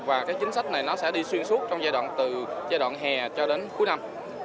và chính sách này sẽ đi xuyên suốt trong giai đoạn từ giai đoạn hè cho đến cuối năm